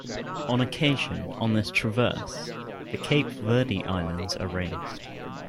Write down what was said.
On occasion, on this traverse, the Cape Verde Islands are raised.